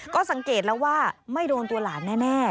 ก็สังเกตแล้วว่าไม่โดนตัวหลานแน่